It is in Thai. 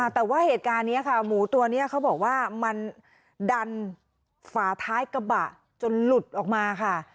แต่ว่าเหตุการณ์นี้ค่ะหมูตัวนี้เขาบอกว่ามันดันฝาท้ายกระบะจนหลุดออกมาค่ะ